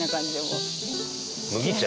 麦茶。